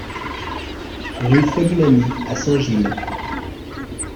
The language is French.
Rue Solimany à Saint-Gilles